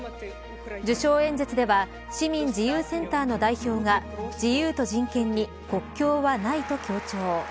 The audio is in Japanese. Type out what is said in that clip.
受賞演説では市民自由センターの代表が自由と人権に国境はないと強調。